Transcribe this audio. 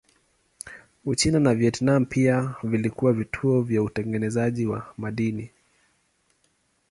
Uchina na Vietnam pia vilikuwa vituo vya utengenezaji wa madini.